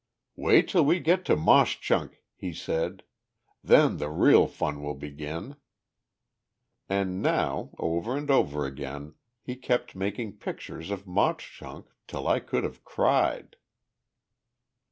"Wait till we get to Mauch Chunk," he said; "then the real fun will begin." And now, over and over again, he kept making pictures of Mauch Chunk, till I could have cried.